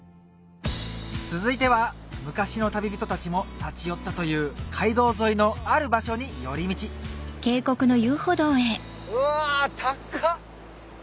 続いては昔の旅人たちも立ち寄ったという街道沿いのある場所に寄り道うわ高っ！